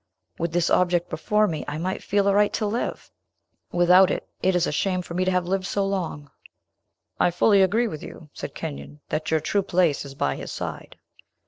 With this object before me, I might feel a right to live! Without it, it is a shame for me to have lived so long." "I fully agree with you," said Kenyon, "that your true place is by his side."